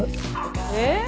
えっ？